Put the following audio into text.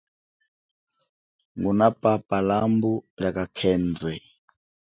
Ngunapapa lambu lia kakhendwe.